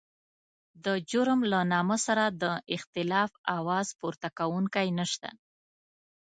د جرم له نامه سره د اختلاف اواز پورته کوونکی نشته.